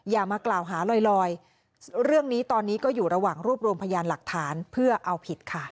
อย่ามากล่าวหาลอยเรื่องนี้ตอนนี้ก็อยู่ระหว่างรวบรวมพยานหลักฐานเพื่อเอาผิดค่ะ